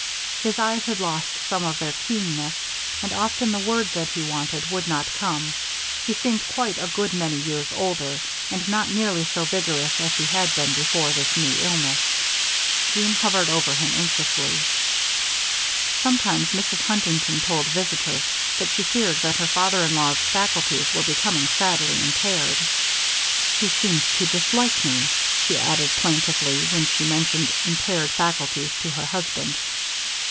His eyes had lost some of their keenness, and often the word that he wanted would not come. He seemed quite a good many years older; and not nearly so vigorous as he had been before this new illness. Jeanne hovered over him anxiously. Sometimes Mrs. Huntington told visitors that she feared that her father in law's faculties were becoming sadly impaired. "He seems to dislike me," she added, plaintively, when she mentioned "impaired faculties" to her husband.